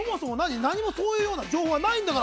何もそういうような情報はないんだから。